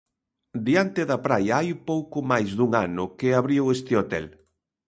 Diante da praia hai pouco máis dun ano que abriu este hotel.